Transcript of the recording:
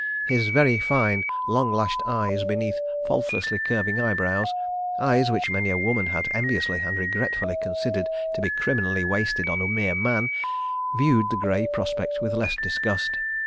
His very fine long lashed eyes beneath faultlessly curving eyebrows—eyes which many a woman had enviously and regretfully considered to be criminally wasted on a mere man—viewed the grey prospect with less disgust.